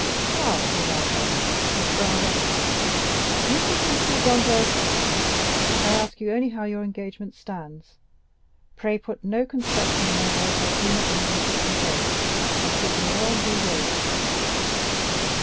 "How?" said Albert, whose brow reddened; "you think M. Danglars——" "I ask you only how your engagement stands? Pray put no construction on my words I do not mean they should convey, and give them no undue weight."